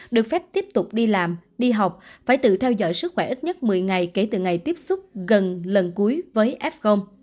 được phép tiếp tục đi làm đi học phải tự theo dõi sức khỏe ít nhất một mươi ngày kể từ ngày tiếp xúc gần lần cuối với f